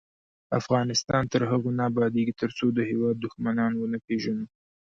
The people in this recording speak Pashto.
افغانستان تر هغو نه ابادیږي، ترڅو د هیواد دښمنان ونه پیژنو.